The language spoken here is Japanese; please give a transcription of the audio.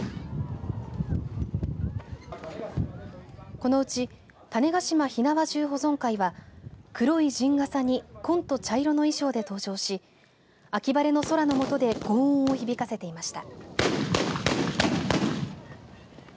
このうち種子島火縄銃保存会は黒い陣笠に紺と茶色の衣装で登場し秋晴れの空の下でごう音を響かせていました。